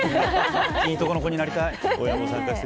いいところの子になりたい。